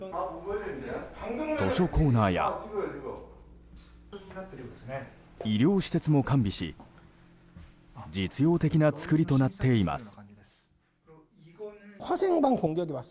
図書コーナーや医療施設も完備し実用的な作りとなっています。